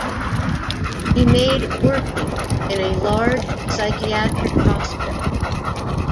He made "Working" in a large psychiatric hospital.